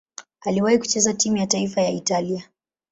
Aliwahi kucheza timu ya taifa ya Italia.